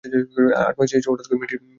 আট মাসের শেষে হঠাৎ করে মেয়েটির ব্যথা উঠল।